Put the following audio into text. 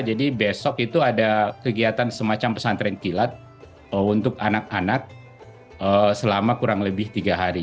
jadi besok itu ada kegiatan semacam pesantren kilat untuk anak anak selama kurang lebih tiga hari